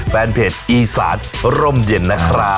แฟนเพจอีสานร่มเย็นนะครับ